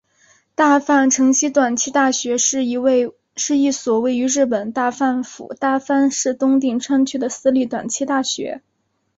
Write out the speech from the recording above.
大阪成蹊短期大学是一所位于日本大阪府大阪市东淀川区的私立短期大学。